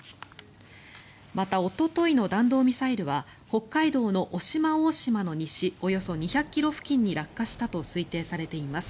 また、おとといの弾道ミサイルは北海道の渡島大島の西およそ２００ｋｍ付近に落下したと推定されています。